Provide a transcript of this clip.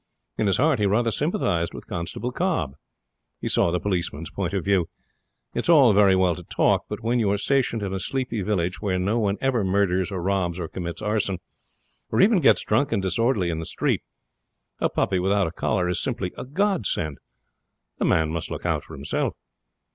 In his heart he rather sympathized with Constable Cobb. He saw the policeman's point of view. It is all very well to talk, but when you are stationed in a sleepy village where no one ever murders, or robs, or commits arson, or even gets drunk and disorderly in the street, a puppy without a collar is simply a godsend. A man must look out for himself.